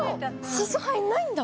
シソ入んないんだ。